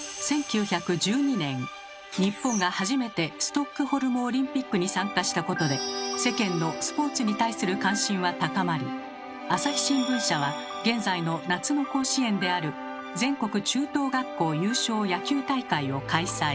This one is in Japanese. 日本が初めてストックホルムオリンピックに参加したことで世間のスポーツに対する関心は高まり朝日新聞社は現在の夏の甲子園である「全国中等学校優勝野球大会」を開催。